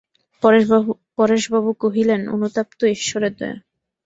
পরেশবাবু কহিলেন, অনুতাপ তো ঈশ্বরের দয়া।